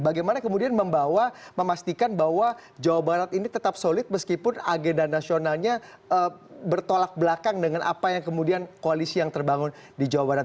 bagaimana kemudian membawa memastikan bahwa jawa barat ini tetap solid meskipun agenda nasionalnya bertolak belakang dengan apa yang kemudian koalisi yang terbangun di jawa barat